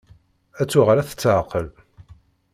Ad tuɣal ad tetεeqqel.